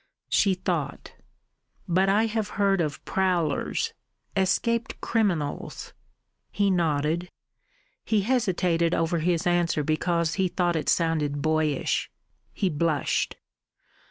She thought. "But I have heard of prowlers escaped criminals." He nodded. He hesitated over his answer because he thought it sounded boyish. He blushed.